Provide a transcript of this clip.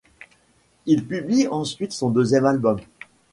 Il publie ensuite son deuxième album, '.